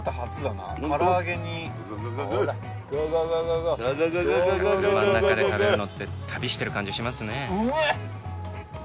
なんか車の中で食べるのって旅してる感じしますね。